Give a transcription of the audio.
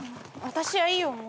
私はいいよ